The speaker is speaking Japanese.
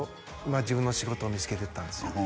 自分の仕事を見つけていったんですよ